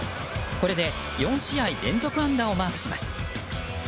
これで４試合連続安打をマークします。